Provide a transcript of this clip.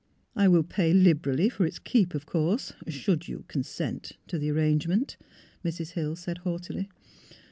'' I will pay liberally for its keep, of course, should you consent to the arrangement," Mrs. Hill said, haughtily.